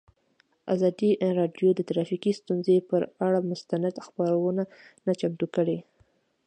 ازادي راډیو د ټرافیکي ستونزې پر اړه مستند خپرونه چمتو کړې.